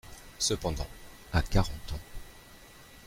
Cependant, à quarante ans…